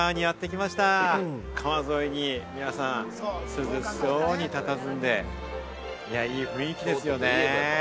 川沿いに皆さん、涼しそうにたたずんで、いや、いい雰囲気ですよね。